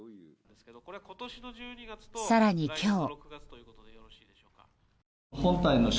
更に今日。